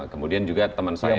kemudian juga teman saya itu kan